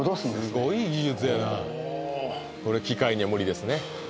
すごい技術やなこれ機械には無理ですね